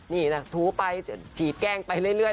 นี่นะถูไปฉีดแกล้งไปเรื่อย